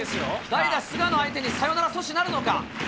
代打、菅野相手にサヨナラ阻止なるのか。